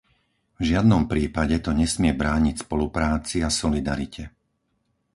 V žiadnom prípade to nesmie brániť spolupráci a solidarite.